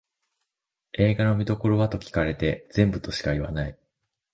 映画の見どころはと聞かれて全部としか言わない